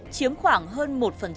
chiếm khoảng hơn một